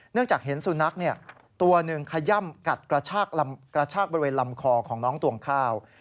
จากเห็นสุนัขตัวหนึ่งขย่ำกัดกระชากบริเวณลำคอของน้องตวงข้าว